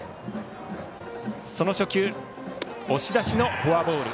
その初球押し出しのフォアボール。